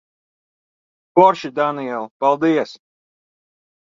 Forši, Daniel. Paldies.